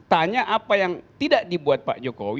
tanya apa yang tidak dibuat pak jokowi